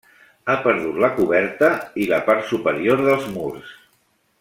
Ha perdut la coberta i la part superior dels murs.